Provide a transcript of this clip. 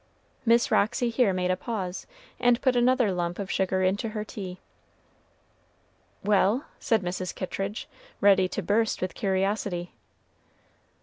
Miss Roxy here made a pause, and put another lump of sugar into her tea. "Well?" said Mrs. Kittridge, ready to burst with curiosity.